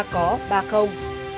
có ba không